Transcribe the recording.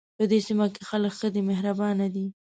په دې سیمه کې خلک ښه دي او مهربانه دي